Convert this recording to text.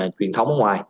truyền thống ở ngoài